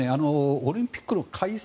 オリンピックの開催